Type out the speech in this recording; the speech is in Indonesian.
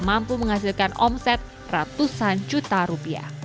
mampu menghasilkan omset ratusan juta rupiah